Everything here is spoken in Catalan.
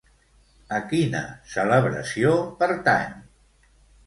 A quina celebració pertany?